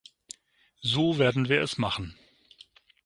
So werden wir es machen.